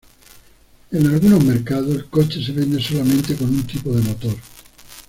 En algunos mercados, el coche se vende solamente con un tipo del motor.